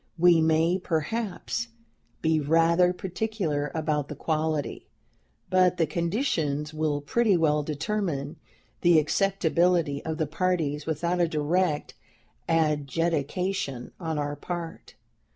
We may, perhaps, be rather particular about the quality; but the conditions will pretty well determine the acceptability of the parties without a direct adjudication on our part.